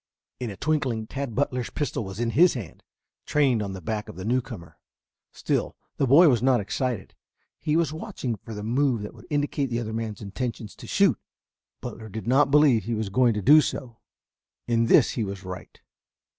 In a twinkling Tad Butler's pistol was in his hand, trained on the back of the newcomer. Still, the boy was not excited; he was watching for the move that would indicate the other man's intention to shoot. Butler did not believe he was going to do so. In this he was right.